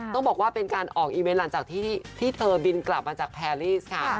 ต้องบอกว่าเป็นการออกอีเวนต์หลังจากที่เธอบินกลับมาจากแพรรี่ค่ะ